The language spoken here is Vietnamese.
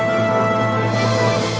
hẹn gặp lại